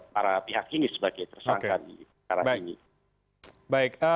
dan menemukan informasi dari para pihak ini sebagai tersangka